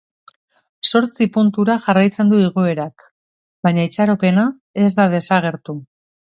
Zortzi puntura jarraitzen du igoerak, baina itxaropena ez da desagertu.